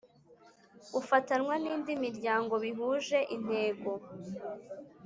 Ufatanywa n indi miryango bihuje intego